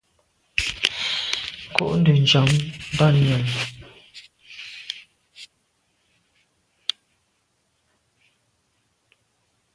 Nkù nde njam ba nyàm.